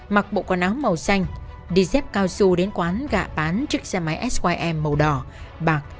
mặc bộ quần áo màu xanh đi xếp cao su đến quán gạ bán chiếc xe máy sym màu đỏ bạc